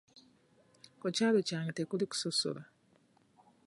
Ku kyalo kyange tekuli kusosola.